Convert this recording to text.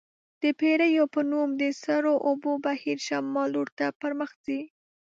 د پیرو په نوم د سړو اوبو بهیر شمال لورته پرمخ ځي.